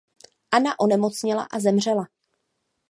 Anna onemocněla a zemřela.